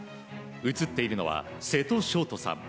写っているのは瀬戸勝登さん。